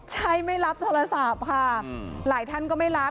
ใช่ไม่รับโทรศัพท์ค่ะหลายท่านก็ไม่รับ